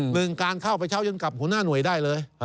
หนึ่งการเข้าไปเช้ายนกับหัวหน้าหน่วยได้เลย